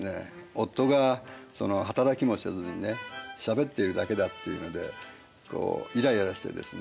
夫が働きもせずにねしゃべっているだけだっていうのでイライラしてですね